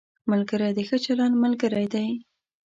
ملګری د ښه چلند ملګری دی